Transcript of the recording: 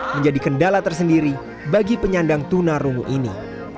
menjadi kendala tersendiri bagi penyandang tunarungu ini